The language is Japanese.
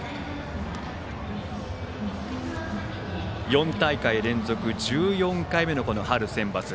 ４大会連続１４回目の春センバツ。